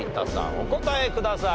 お答えください。